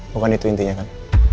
bukan itu intinya kan